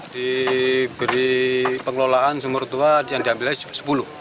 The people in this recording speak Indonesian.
diberi pengelolaan sumur tua yang diambilnya sepuluh